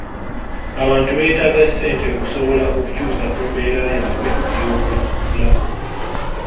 Abantu beetaaga ssente okusobola okukyusa ku mbeera yaabwe ey'obulamu.